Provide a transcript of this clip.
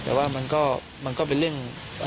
แต่ว่ามันก็เป็นเรื่อง